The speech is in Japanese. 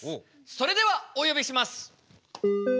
それではおよびします。